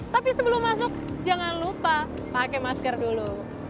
tapi sebelum masuk jangan lupa pakai masker dulu